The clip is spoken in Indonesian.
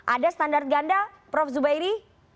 ada standar ganda prof zubairi